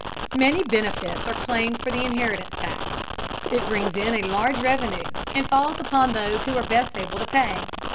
Many benefits are claimed for the inheritance tax. It brings in a large revenue, and falls upon those who are best able to pay.